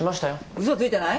うそついてない？